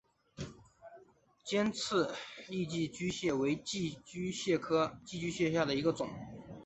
尖刺异寄居蟹为寄居蟹科异寄居蟹属下的一个种。